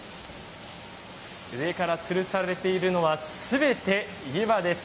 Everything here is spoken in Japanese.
上からつるされているのはすべて湯葉です。